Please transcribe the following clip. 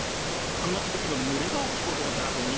この続きのぬれ場を聞こうと思ったらあと２銭かかる。